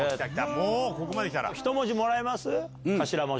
もうここまできたら。